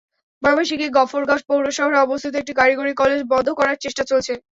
ময়মনসিংহের গফরগাঁও পৌর শহরে অবস্থিত একটি কারিগরি কলেজ বন্ধ করার চেষ্টা চলছে।